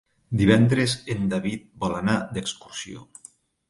Divendres en David vol anar d'excursió.